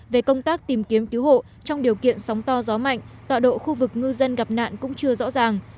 về công tác tìm kiếm cứu hộ trong điều kiện sóng to gió mạnh tọa độ khu vực ngư dân gặp nạn cũng chưa rõ ràng